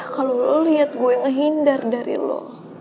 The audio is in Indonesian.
kalau lo lihat gue ngehindar dari lo